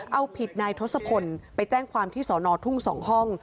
เอาผิดนายทศพลไปแจ้งความที่สอนอทุ่ง๒ห้อง